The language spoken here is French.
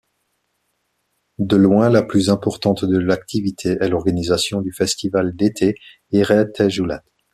De loin la plus importante de l'activité est l'organisation du festival d'été, Herättäjuhlat.